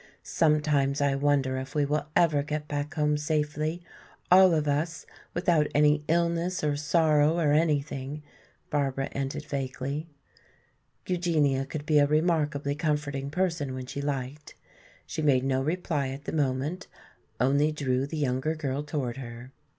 Sometimes I wonder if we will ever get back home safely, all of us, without any illness or sorrow or anything," Barbara ended vaguely. Eugenia could be a remarkably comforting person when she liked. She made no reply at the moment, only drew the younger girl toward her.